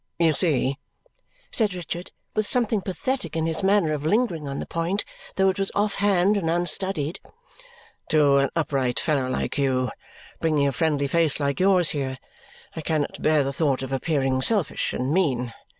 "You see," said Richard, with something pathetic in his manner of lingering on the point, though it was off hand and unstudied, "to an upright fellow like you, bringing a friendly face like yours here, I cannot bear the thought of appearing selfish and mean.